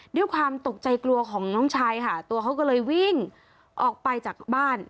ด้วยความตกใจกลัวของน้องชายค่ะตัวเขาก็เลยวิ่งออกไปจากบ้าน